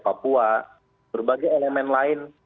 papua berbagai elemen lain